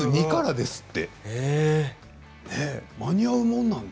２２からですって。